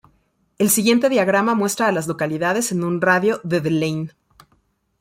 El siguiente diagrama muestra a las localidades en un radio de de Lane.